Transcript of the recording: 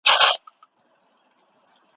ګواکي ستا په حق کي هیڅ نه دي لیکلي